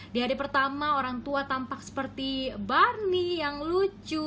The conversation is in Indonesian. di hari pertama orang tua tampak seperti barnie yang lucu